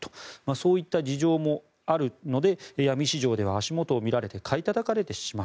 そういった事情もあるので闇市場では足元を見られて買いたたかれてしまう。